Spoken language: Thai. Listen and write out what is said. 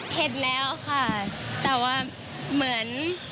เห็นแล้วค่ะแต่ว่าเหมือน